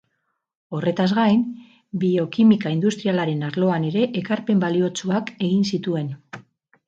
Horretaz gain, biokimika industrialaren arloan ere ekarpen baliotsuak egin zituen.